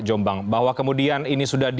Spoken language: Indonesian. jombang bahwa kemudian ini sudah